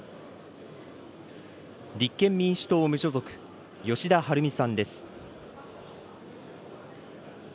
立憲民主党・無所属、吉田はるみさんです。